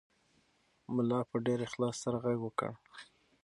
ملا په ډېر اخلاص سره غږ وکړ.